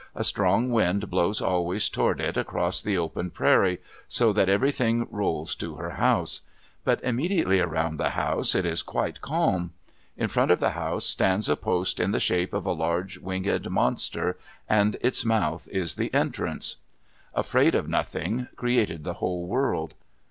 A strong wind blows always toward it across the open prairie so that everything rolls to her house; but immediately around the house it is quite calm. In front of the house stands a post in the shape of a large winged monster, and its mouth is the entrance. Afraid of Nothing created the whole world.